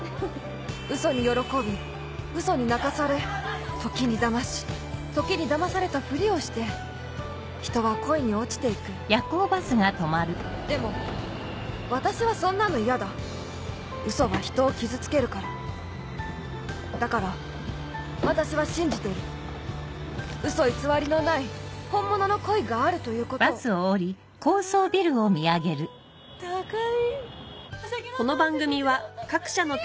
嘘に喜び嘘に泣かされ時に騙し時に騙されたふりをして人は恋に落ちて行くでも私はそんなの嫌だ嘘は人を傷つけるからだから私は信じてる嘘偽りのない本物の恋があるということをうわぁ高い。